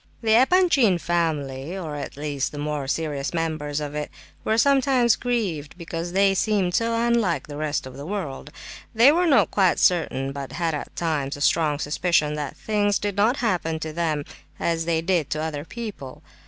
The Epanchin family, or at least the more serious members of it, were sometimes grieved because they seemed so unlike the rest of the world. They were not quite certain, but had at times a strong suspicion that things did not happen to them as they did to other people.